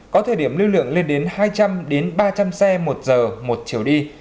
có thời điểm lưu lượng lên đến hai trăm linh ba trăm linh xe một giờ một chiều đi